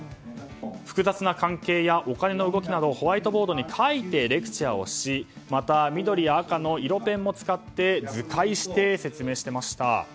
複雑な関係やお金の動きなどをホワイトボードに書いてレクチャーをしまた、緑や赤の色ペンも使って図解して説明していました。